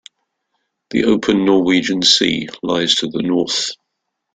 The open Norwegian Sea lies to the north.